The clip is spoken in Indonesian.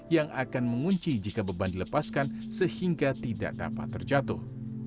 yang akan mengunci jika beban dilepaskan sehingga tidak dapat terjatuh